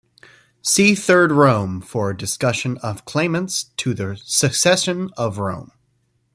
See Third Rome for a discussion of claimants to the succession of Rome.